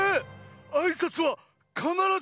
あいさつはかならず。